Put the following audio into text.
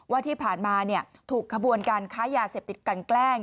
ว่าที่ผ่านมาถูกขบวนการค้ายาเสพติดกันแกล้ง